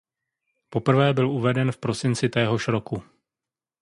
Poprvé byl uveden v prosinci téhož roku.